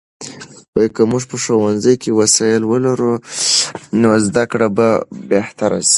که موږ په ښوونځي کې وسایل ولرو، نو زده کړه به بهتره سي.